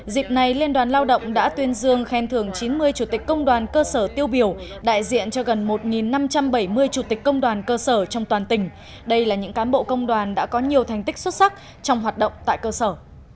dịp này liên đoàn lao động đã tuyên dương khen thưởng chín mươi chủ tịch công đoàn cơ sở tiêu biểu đại diện cho gần một năm trăm bảy mươi chủ tịch công đoàn cơ sở trong toàn tỉnh đây là những cán bộ công đoàn đã có nhiều thành tích xuất sắc trong hoạt động tại cơ sở